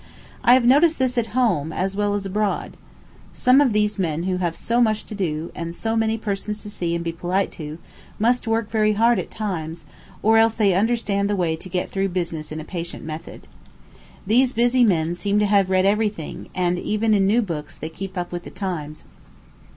I have noticed this at home, as well as abroad. Some of these men who have so much to do, and so many persons to see and be polite to, must work very hard at times, or else they understand the way to get through business in a patent method. These busy men seem to have read every thing; and even in new books they keep up with the times.